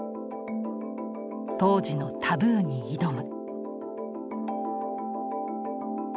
当時のタブーに挑む。